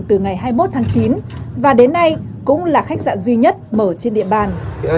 từ ngày hai mươi một tháng chín và đến nay cũng là khách sạn duy nhất mở trên địa bàn